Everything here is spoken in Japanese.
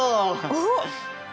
おっ！